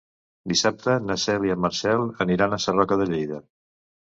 Dissabte na Cel i en Marcel aniran a Sarroca de Lleida.